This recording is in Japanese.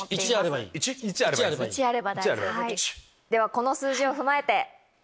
この数字を踏まえて。